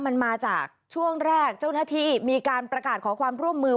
มันมาจากช่วงแรกเจ้าหน้าที่มีการประกาศขอความร่วมมือ